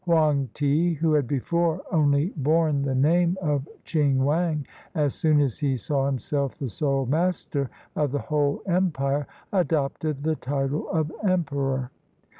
Hoang ti, who had before only borne the name of Ching wang, as soon as he saw himself the sole master of the whole empire, adopted the title of emperor.